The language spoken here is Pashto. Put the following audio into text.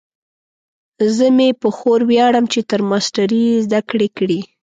زه مې په خور ویاړم چې تر ماسټرۍ یې زده کړې کړي